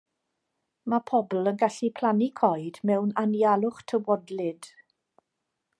Mae pobl yn gallu plannu coed mewn anialwch tywodlyd.